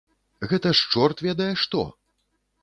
Гэта ж чорт ведае што!